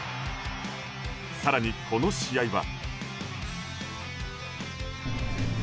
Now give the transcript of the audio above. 更に、この試合は。